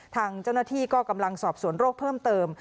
ทางเจ้าหน้าที่ก็กำลังสอบสวนโรคเพิ่มเติม